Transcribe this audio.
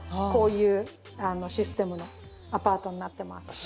こういうシステムのアパートになってます。